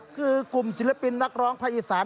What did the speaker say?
คือกลุ่มศิลปินนักร้องภาคอีสาน